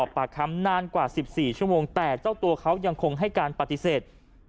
ปากคำนานกว่า๑๔ชั่วโมงแต่เจ้าตัวเขายังคงให้การปฏิเสธ